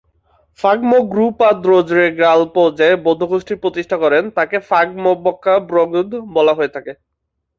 ফাগ-মো-গ্রু-পা-র্দো-র্জে-র্গ্যাল-পো যে বৌদ্ধ গোষ্ঠীর প্রতিষ্ঠা করেন তাকে ফাগ-মো-ব্কা'-ব্র্গ্যুদ বলা হয়ে থাকে।